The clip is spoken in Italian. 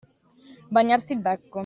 Bagnarsi il becco.